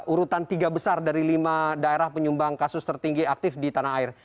urutan tiga besar dari lima daerah penyumbang kasus tertinggi aktif di tanah air